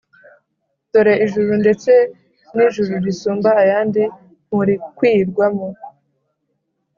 dore ijuru ndetse ni ijuru risumba ayandi, nturikwirwamo;